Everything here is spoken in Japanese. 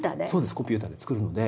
コンピューターで作るので。